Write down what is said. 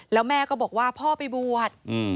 แล้วแม่ก็บอกว่าพ่อไปบวช